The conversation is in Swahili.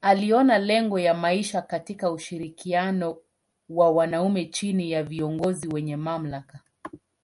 Aliona lengo ya maisha katika ushirikiano wa wanaume chini ya viongozi wenye mamlaka.